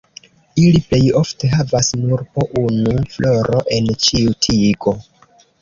Ili plej ofte havas nur po unu floro en ĉiu tigo.